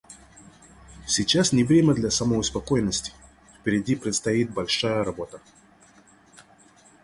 Сейчас не время для самоуспокоенности; впереди предстоит большая работа.